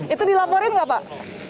itu dilaporin nggak pak